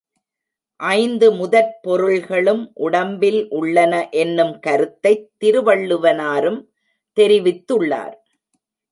ஐந்து முதற் பொருள்களும் உடம்பில் உள்ளன என்னும் கருத்தைத் திருவள்ளுவனாரும் தெரிவித்துள் ளார்.